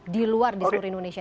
di luar di seluruh indonesia